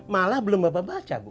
malah belum bapak baca bu